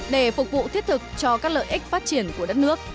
để phục vụ thiết thực cho các lợi ích phát triển của đất nước